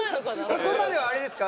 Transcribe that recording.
ここまではあれですか？